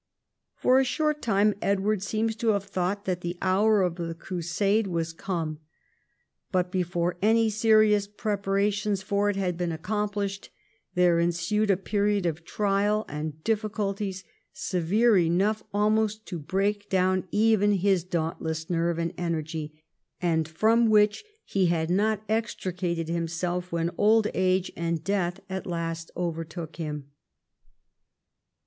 For a short time Edward seems to have thought that the hour of the Crusade was come ; but before any serious preparations for it had been accomplished, there ensued a period of trial and difficulties, severe enough almost to break down even his dauntless nerve and energy, and from which he had not extricated himself when old age and death at last overtook him.